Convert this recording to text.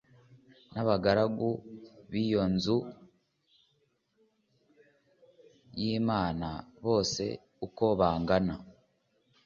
N abagaragu b iyo nzu y imana bose uko bangana